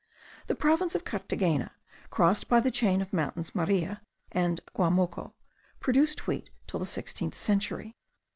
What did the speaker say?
The province of Carthagena, crossed by the chain of the mountains Maria and Guamoco, produced wheat till the sixteenth century.